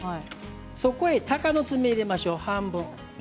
そこへたかのつめを入れましょう、半分。